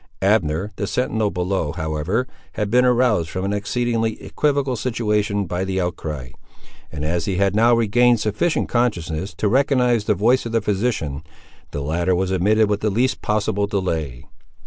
Abner, the sentinel below, however, had been aroused from an exceedingly equivocal situation by the outcry; and as he had now regained sufficient consciousness to recognise the voice of the physician, the latter was admitted with the least possible delay.